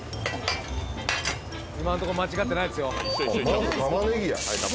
今んとこ間違ってないですよ。